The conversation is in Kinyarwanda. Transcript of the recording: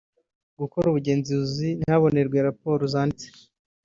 Gukora ubugenzuzi ntihakorwe raporo zanditse